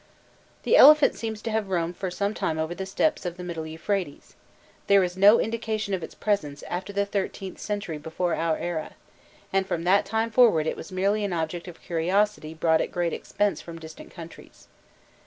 The elephant seems to have roamed for some time over the steppes of the middle Euphrates;* there is no indication of its presence after the XIIIth century before our era, and from that time forward it was merely an object of curiosity brought at great expense from distant countries.